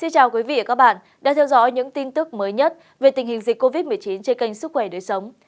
chào các bạn đã theo dõi những tin tức mới nhất về tình hình dịch covid một mươi chín trên kênh sức khỏe đời sống